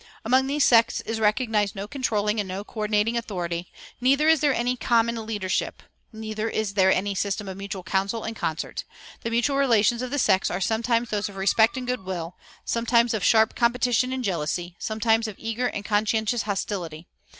Among these sects is recognized no controlling and coördinating authority; neither is there any common leadership; neither is there any system of mutual counsel and concert. The mutual relations of the sects are sometimes those of respect and good will, sometimes of sharp competition and jealousy, sometimes of eager and conscientious hostility.